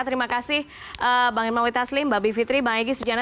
terima kasih bang irma wit aslim mbak b fitri bang egy sujana